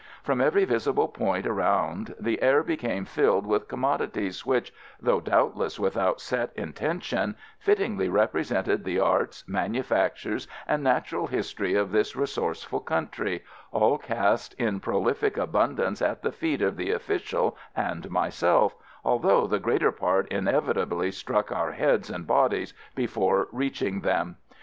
From every visible point around the air became filled with commodities which though doubtless without set intention fittingly represented the arts, manufactures, and natural history of this resourceful country, all cast in prolific abundance at the feet of the official and myself, although the greater part inevitably struck our heads and bodies before reaching them.